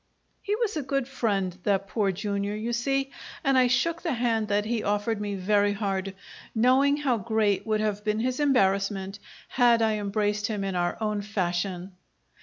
He was a good friend, that Poor Jr., you see, and I shook the hand that he offered me very hard, knowing how great would have been his embarrassment had I embraced him in our own fashion.